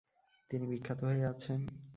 তিনি বিখ্যাত হয়ে আছেন।